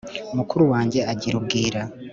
mukuru wanjye agira ubwira